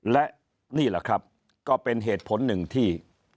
และนี่แหละครับก็เป็นเหตุผลหนึ่งที่